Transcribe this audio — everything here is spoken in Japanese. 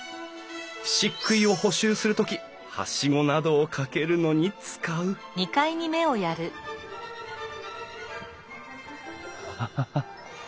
漆喰を補修する時はしごなどをかけるのに使うハハハ。